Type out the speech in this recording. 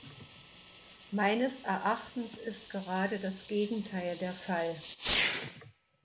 Meines Erachtens ist gerade das Gegenteil der Fall!